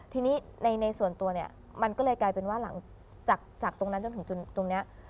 ทีนี้ในส่วนตัวเนี่ยมันก็เลยกลายเป็นว่าหลังจากตรงนั้นจนถึงตรงนี้